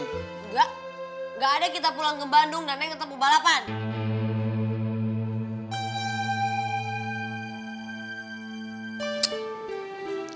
enggak enggak ada kita pulang ke bandung dan naik ketemu balapan